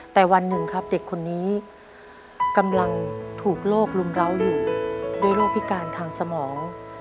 แต่วันหนึ่งครับเด็กคนนี้กำลังถูกโรครุมร้าวอยู่ด้วยโรคพิการทางสมอง